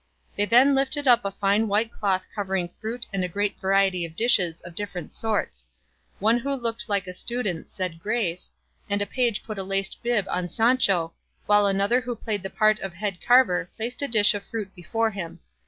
They then lifted up a fine white cloth covering fruit and a great variety of dishes of different sorts; one who looked like a student said grace, and a page put a laced bib on Sancho, while another who played the part of head carver placed a dish of fruit before him.